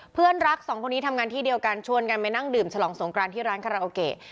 เพื่อนรักสองคนนี้ทำงานที่เดียวกันชวนกันไปนั่งดื่มฉลองสงกรานที่ร้านคาราโอเกะ